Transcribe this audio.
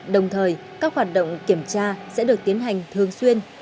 đồng thời các hoạt động kiểm tra sẽ được tiến hành thường xuyên